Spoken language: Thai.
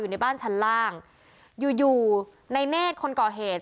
ในบ้านชั้นล่างอยู่อยู่ในเนธคนก่อเหตุ